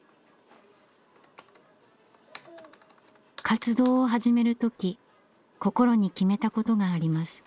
活動を始める時心に決めたことがあります。